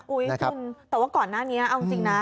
คุณแต่ว่าก่อนหน้านี้เอาจริงนะ